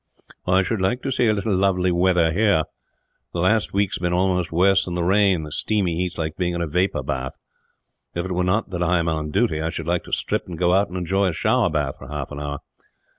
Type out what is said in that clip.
"I should like to see a little lovely weather here. The last week has been almost worse than the rain the steamy heat is like being in a vapour bath. If it were not that I am on duty, I should like to strip, and go out and enjoy a shower bath for half an hour."